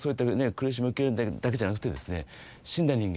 苦しみを受けるだけじゃなくて死んだ人間